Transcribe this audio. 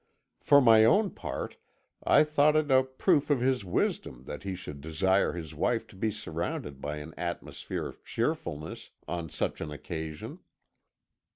For my own part I thought it a proof of his wisdom that he should desire his wife to be surrounded by an atmosphere of cheerfulness on such an occasion.